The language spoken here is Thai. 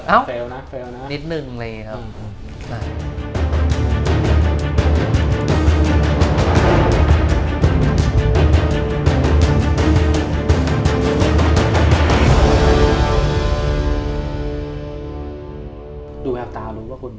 ดูแหลกตารู้ว่าคุณแบบอ้าว